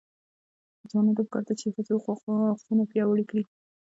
ځوانانو ته پکار ده چې، ښځو حقونه وپیاوړي کړي.